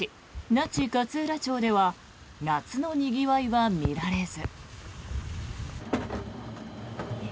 那智勝浦町では夏のにぎわいは見られず。